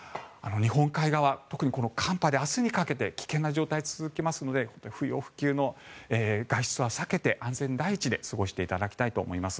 日本海側特に寒波で明日にかけて危険な状態が続きますので不要不急の外出は避けて安全第一で過ごしていただきたいと思います。